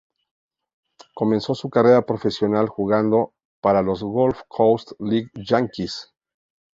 Comenzó su carrera profesional jugando para los Gulf Coast League Yankees.